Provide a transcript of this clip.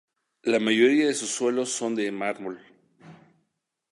La mayoría de sus suelos son de mármol.